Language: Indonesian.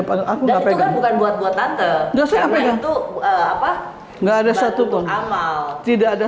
apa apa bukan buat buat tante dosa pengen tuh apa enggak ada satu pun amal tidak ada